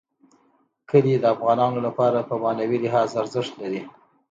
کلي د افغانانو لپاره په معنوي لحاظ ارزښت لري.